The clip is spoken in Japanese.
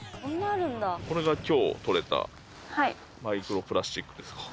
これが今日採れたマイクロプラスチックですか？